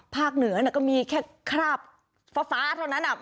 เหนือก็มีแค่คราบฟ้าเท่านั้น